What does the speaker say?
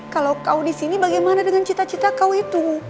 kalo kau disini bagaimana dengan cita cita kau itu